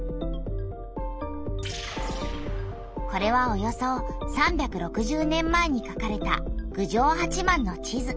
これはおよそ３６０年前にかかれた郡上八幡の地図。